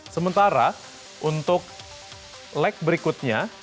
sementara untuk leg berikutnya